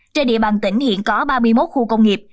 trên địa bàn tỉnh hiện có ba mươi một khu công nghiệp